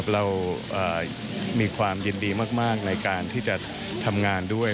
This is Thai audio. เรามีความยินดีมากในการที่จะทำงานด้วย